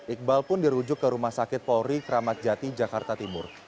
iqbal pun dirujuk ke rumah sakit polri kramat jati jakarta timur